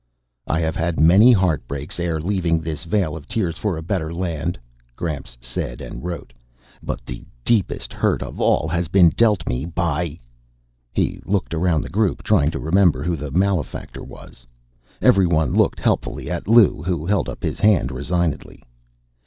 "I have had many heartbreaks ere leaving this vale of tears for a better land," Gramps said and wrote. "But the deepest hurt of all has been dealt me by " He looked around the group, trying to remember who the malefactor was. Everyone looked helpfully at Lou, who held up his hand resignedly.